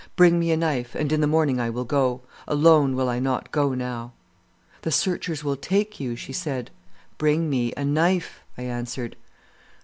Bring me a knife, and in the morning I will go. Alone will I not go now.' "'The searchers will take you,' she said. "'Bring me a knife,' I answered.